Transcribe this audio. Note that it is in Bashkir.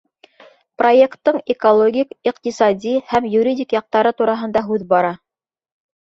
Проекттың экологик, иҡтисади һәм юридик яҡтары тураһында һүҙ бара.